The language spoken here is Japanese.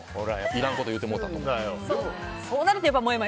いらんこと言うてもうたと思って。